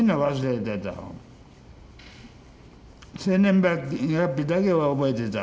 生年月日だけは覚えてた。